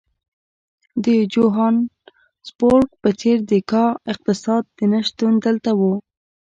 د جوهانسبورګ په څېر د کا اقتصاد نه شتون دلته وو.